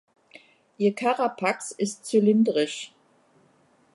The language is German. Ihr Carapax ist zylindrisch.